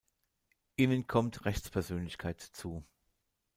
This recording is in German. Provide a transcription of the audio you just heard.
Ihnen kommt Rechtspersönlichkeit zu.